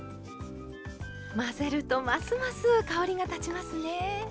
混ぜるとますます香りが立ちますね。